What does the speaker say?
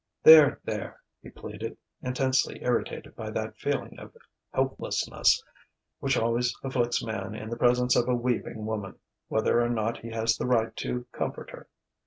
"There, there!" he pleaded, intensely irritated by that feeling of helplessness which always afflicts man in the presence of a weeping woman, whether or not he has the right to comfort her.